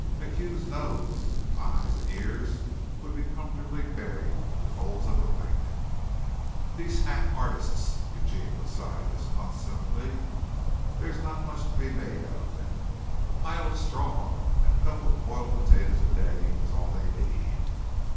MacHugh's nose, eyes and ears would be comfortably buried in the folds of a blanket. "These hack artists," Eugene would sigh disconsolately. "There's not much to be made out of them. A pile of straw and a couple of boiled potatoes a day is all they need."